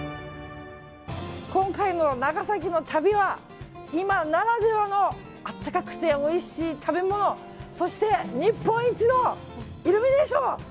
今回の長崎の旅は今ならではの温かくておいしい食べ物そして日本一のイルミネーション。